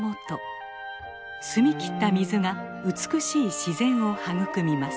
澄み切った水が美しい自然を育みます。